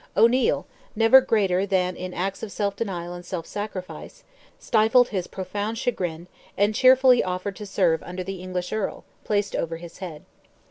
O'Neil, never greater than in acts of self denial and self sacrifice, stifled his profound chagrin, and cheerfully offered to serve under the English Earl, placed over his head.